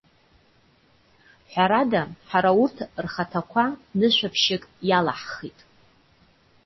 Ҳәарада, ҳара урҭ рхаҭақәа нышәаԥшык иалаҳхит.